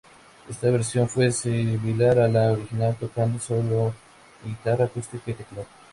Esta versión fue similar a la original, tocada sólo en guitarra acústica y teclado.